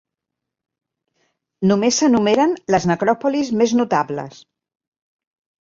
Només s'enumeren les necròpolis més notables.